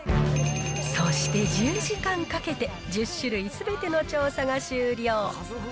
そして１０時間かけて、１０種類すべての調査が終了。